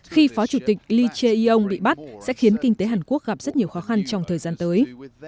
khi phó chủ tịch lee chae yong bị bắt sẽ khiến kinh tế hàn quốc gặp rất nhiều khó khăn trong thời gian tới